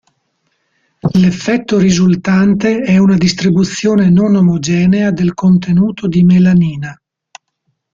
L'effetto risultante è una distribuzione non omogenea del contenuto di melanina.